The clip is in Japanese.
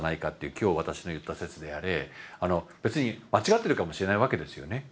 今日私の言った説であれ別に間違ってるかもしれないわけですよね。